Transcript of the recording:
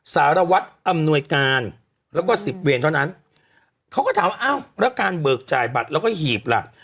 สารวัตรอำนวยการแล้วก็สิบเวรเท่านั้นเขาก็ถามว่าอ้าวแล้วการเบิกจ่ายบัตรแล้วก็หีบล่ะ